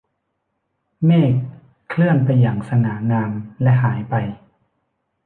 เมฆเคลื่อนไปอย่างสง่างามและหายไป